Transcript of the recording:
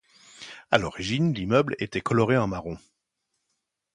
À l'origine, l'immeuble était coloré en marron.